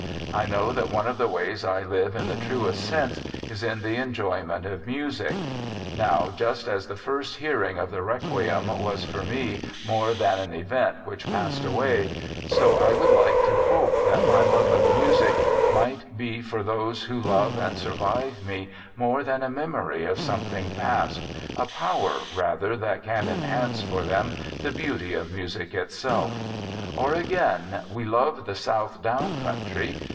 I know that one of the ways I live in the truest sense is in the enjoyment of music. Now just as the first hearing of the Requiem was for me more than an event which passed away, so I would like to hope that my love of music might be for those who love and sur vive me more than a memory of something past, a power rather that can enhance for them the beauty of music itself. Or, again, we love the South Down country.